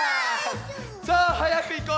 さあはやくいこう！